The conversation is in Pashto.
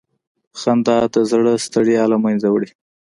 خندا د زړه ستړیا له منځه وړي.